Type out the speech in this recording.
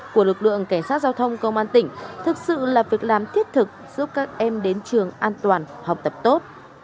của lực lượng cảnh sát giao thông công an tỉnh thực sự là việc làm thiết thực giúp các em đến trường an toàn học tập tốt